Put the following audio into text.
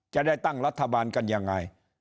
จะได้ตั้งรัฐบาลกันยังไง